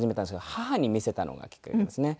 母に見せたのがきっかけなんですね。